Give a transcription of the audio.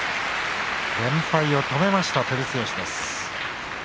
連敗を止めた照強です。